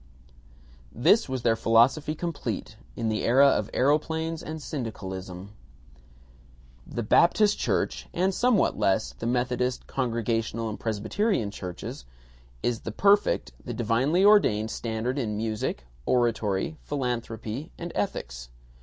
This was their philosophy complete ... in the era of aeroplanes and syndicalism: The Baptist Church (and, somewhat less, the Methodist, Congregational, and Presbyterian Churches) is the perfect, the divinely ordained standard in music, oratory, philanthropy, and ethics.